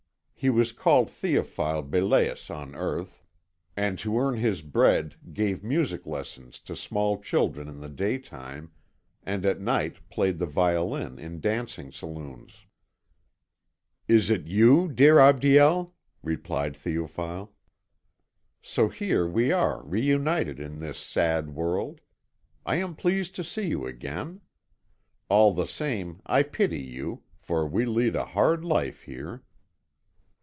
He was called Théophile Belais on earth, and to earn his bread gave music lessons to small children in the day time and at night played the violin in dancing saloons. "It is you, dear Abdiel?" replied Théophile. "So here we are reunited in this sad world. I am pleased to see you again. All the same I pity you, for we lead a hard life here."